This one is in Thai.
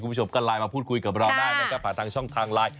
คุณผู้ชมก็ไลน์มาพูดคุยกับเราได้นะครับผ่านทางช่องทางไลน์